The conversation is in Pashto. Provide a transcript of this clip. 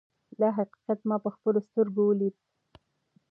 دا حقیقت ما په خپلو سترګو ولید.